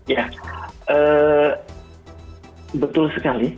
ya betul sekali